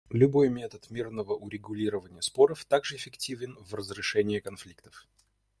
Любой метод мирного урегулирования споров также эффективен в разрешении конфликтов.